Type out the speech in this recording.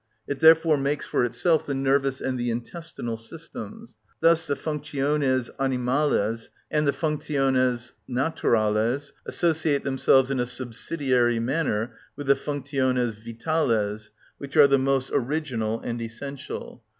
It therefore makes for itself the nervous and the intestinal systems; thus the functiones animales and the functiones naturales associate themselves in a subsidiary manner with the functiones vitales, which are the most original and essential.